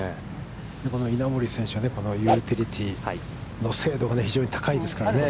稲森選手はユーティリティーの精度が非常に高いですからね。